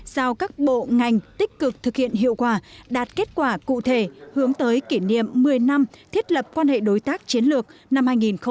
giao các bộ ngành tích cực thực hiện hiệu quả đạt kết quả cụ thể hướng tới kỷ niệm một mươi năm thiết lập quan hệ đối tác chiến lược năm hai nghìn một mươi chín